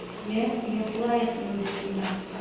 — Йә, йоҡлайыҡ инде, — тине.